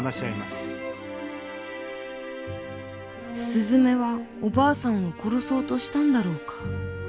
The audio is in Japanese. すずめはおばあさんを殺そうとしたんだろうか。